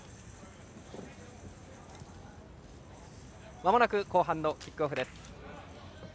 まもなく後半のキックオフです。